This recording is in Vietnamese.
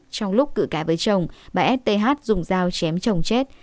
trong lúc cử cãi với chồng bà s t h dùng dao chém chồng chết